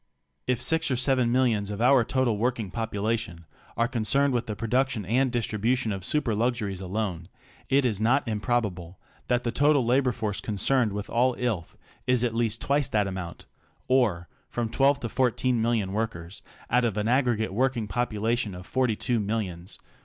If six or seven millions of our total work ing population are concerned with the production and distri bution of super luxuries alone, it is not improbable that the total labor force concerned with all "illth" is at least twice that amount or from twelve to fourteen million workers 16 out of an aggregate working population of forty two mil lions.